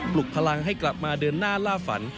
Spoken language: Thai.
ลุกพลังให้กลับมาเดินหน้าล่าฝัน